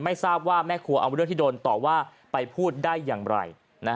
ทราบว่าแม่ครัวเอาเรื่องที่โดนต่อว่าไปพูดได้อย่างไร